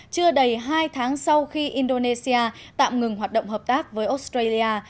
chưa đầy hai tháng sau khi indonesia tạm ngừng hoạt động hợp tác với australia